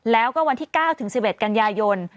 แล้วก็วันที่๙ถึง๑๑กันยายน